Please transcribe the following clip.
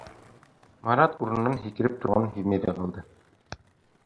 Марат урынынан һикереп торғанын һиҙмәй ҙә ҡалды.